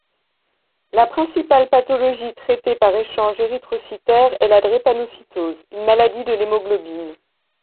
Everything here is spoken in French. La principale pathologie traitée par échange érythrocytaire est la drépanocytose, une maladie de l'hémoglobine.